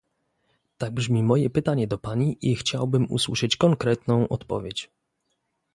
Tak brzmi moje pytanie do Pani i chciałbym usłyszeć konkretną odpowiedź